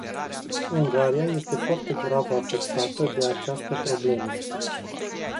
Ungaria este foarte grav afectată de această problemă.